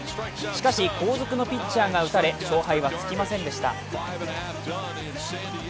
しかし後続のピッチャーが打たれ勝敗はつきませんでした。